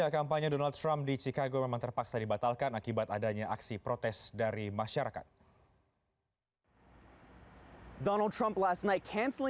kampanye donald trump di chicago memang terpaksa dibatalkan akibat adanya aksi protes dari masyarakat